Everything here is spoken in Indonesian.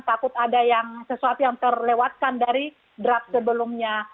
takut ada yang sesuatu yang terlewatkan dari draft sebelumnya